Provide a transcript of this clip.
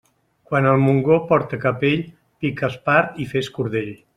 Quan el Montgó porta capell, pica espart i fes cordell.